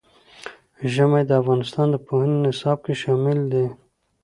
ژمی د افغانستان د پوهنې نصاب کې شامل دي.